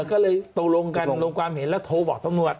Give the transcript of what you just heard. ก็เลยตกลงกันลงความเห็นแล้วโทรบอกตำรวจ